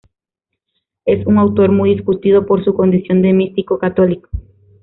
Es un autor muy discutido por su condición de místico católico.